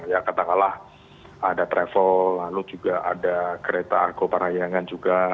ya katakanlah ada travel lalu juga ada kereta argo parahyangan juga